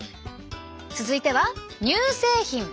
続いては乳製品。